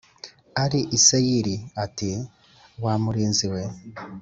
ari i Seyiri j ati wa murinzi we